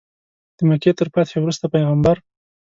د مکې تر فتحې وروسته پیغمبر.